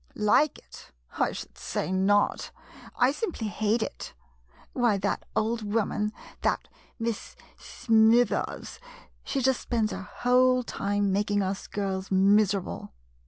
Like it ? I should say not — I sim ply hate it. Why, that old woman, that Miss Smithers — she just spends her whole time making us girls miserable.